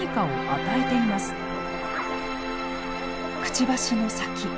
くちばしの先。